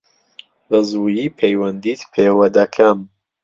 بەزوویی پەیوەندیت پێوە دەکەم.